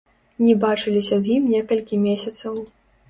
Не бачыліся з ім некалькі месяцаў.